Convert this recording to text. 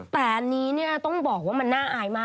แต่อันนี้ต้องบอกว่ามันน่าอายมาก